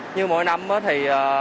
như mỗi năm thì